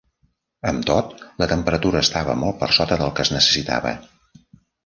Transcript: Amb tot, la temperatura estava molt per sota del que es necessitava.